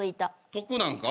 得なんか？